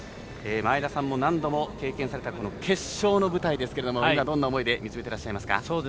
前田さんも何度も経験された決勝の舞台ですが今どんな思いで見つめていらっしゃいますか？